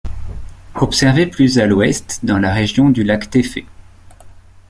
Observé plus à l’ouest dans la région du lac Téfé.